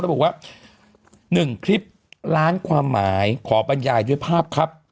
พร้อมระบุว่าหนึ่งคลิปล้านความหมายขอบรรยายด้วยภาพครับ